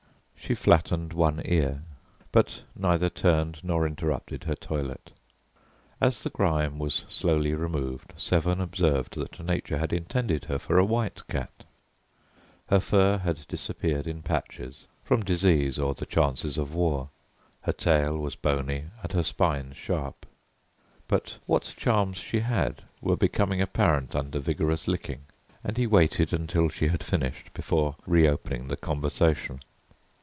She flattened one ear, but neither turned nor interrupted her toilet. As the grime was slowly removed Severn observed that nature had intended her for a white cat. Her fur had disappeared in patches, from disease or the chances of war, her tail was bony and her spine sharp. But what charms she had were becoming apparent under vigorous licking, and he waited until she had finished before re opening the conversation.